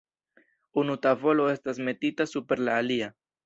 Unu tavolo estas metita super la alia.